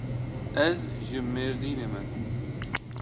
Ez ji Mêrdînê me.